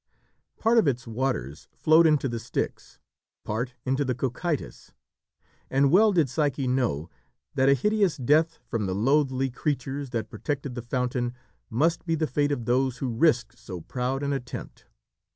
Part of its waters flowed into the Styx, part into the Cocytus, and well did Psyche know that a hideous death from the loathly creatures that protected the fountain must be the fate of those who risked so proud an attempt.